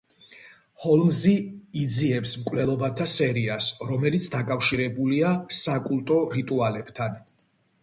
ჰოლმზი იძიებს მკვლელობათა სერიას, რომელიც დაკავშირებულია საკულტო რიტუალებთან.